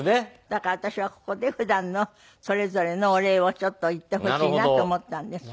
だから私はここで普段のそれぞれのお礼をちょっと言ってほしいなと思ったんです。